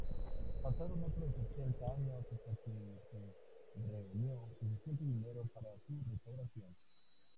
Pasaron otros setenta años hasta que se reunió suficiente dinero para su restauración.